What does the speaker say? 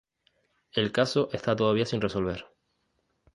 El caso está todavía sin resolver.